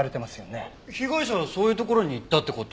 被害者はそういう所に行ったって事？